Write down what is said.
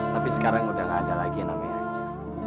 tapi sekarang udah nggak ada lagi namanya aja